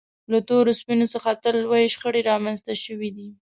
له تورو سپینو څخه تل لویې شخړې رامنځته شوې دي.